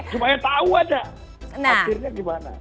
supaya tahu ada akhirnya gimana